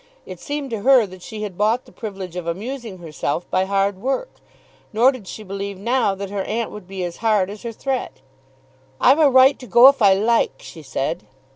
It seemed to her that she had bought the privilege of amusing herself by hard work. Nor did she believe now that her aunt would be as hard as her threat. "I've a right to go if I like," she said.